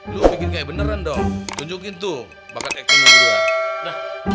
lo bikin kayak beneran dong tunjukin tuh bakal ekonomi gue